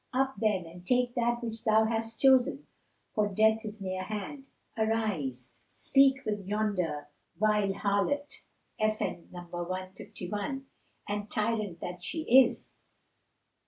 Up, then, and take that which thou hast chosen; for death is near hand. Arise: speak with yonder vile harlot[FN#151] and tyrant that she is!"